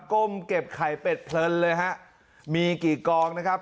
้มเก็บไข่เป็ดเพลินเลยฮะมีกี่กองนะครับ